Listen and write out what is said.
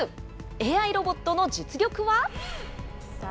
ＡＩロボットの実力は？